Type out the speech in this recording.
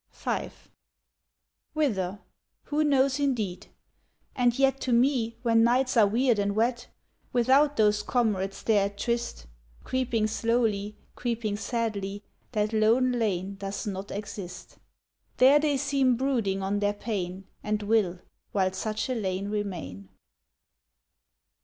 V Whither? Who knows, indeed ... And yet To me, when nights are weird and wet, Without those comrades there at tryst Creeping slowly, creeping sadly, That lone lane does not exist. There they seem brooding on their pain, And will, while such a lane remain.